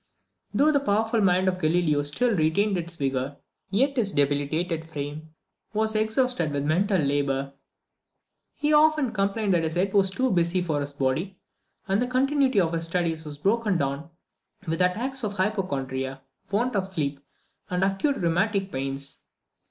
Though the powerful mind of Galileo still retained its vigour, yet his debilitated frame was exhausted with mental labour. He often complained that his head was too busy for his body; and the continuity of his studies was frequently broken with attacks of hypochondria, want of sleep, and acute rheumatic pains.